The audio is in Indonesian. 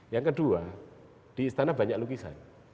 yang kedua di istana banyak lukisan